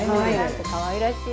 かわいらしい。